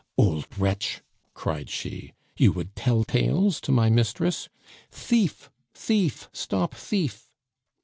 "Old wretch!" cried she, "you would tell tales to my mistress! Thief! thief! stop thief!"